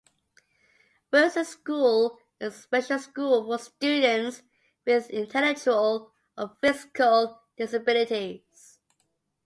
Wilson School is a special school for students with intellectual or physical disabilities.